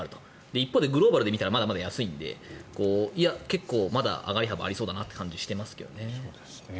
一方でグローバルで見たらまだまだ安いんでまだ上がり幅がありそうな気はしますけどね。